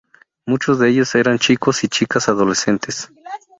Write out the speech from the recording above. Muchos de ellos eran chicos y chicas adolescentes.